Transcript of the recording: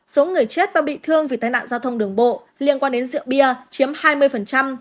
số người chết và bị thương vì tai nạn giao thông đường bộ liên quan đến rượu bia chiếm hai mươi